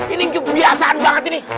ini kebiasaan banget ini